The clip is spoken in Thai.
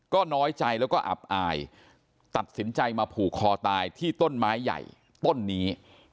ก็น้อยใจแล้วก็อับอายตัดสินใจมาผูกคอตายที่ต้นไม้ใหญ่ต้นนี้